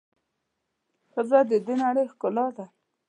ښځه د د نړۍ ښکلا ده.